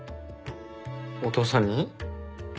お父さんに？